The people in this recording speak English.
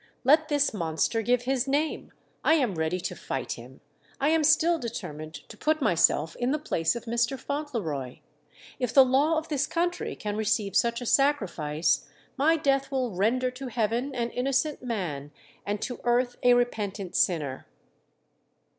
"Let this monster give his name; I am ready to fight him. I am still determined to put myself in the place of Mr. Fauntleroy. If the law of this country can receive such a sacrifice, my death will render to heaven an innocent man, and to earth a repentant sinner."